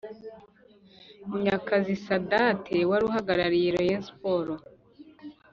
munyakazi sadate wari uhagarariye rayon sports